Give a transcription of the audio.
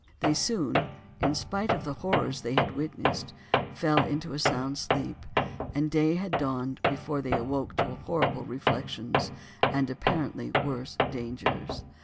They soon, in spite of the horrors they had witnessed, fell into a sound sleep, and day had dawned before they awoke to horrible reflections, and apparently worse dangers.